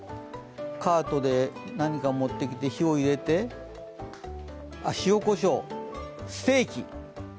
カートで何か持ってきて火を入れて、塩こしょうステーキ？